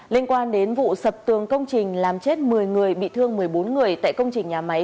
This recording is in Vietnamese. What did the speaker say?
liên quan đến vụ sập tường công trình làm chết một mươi người bị thương một mươi bốn người tại công trình nhà máy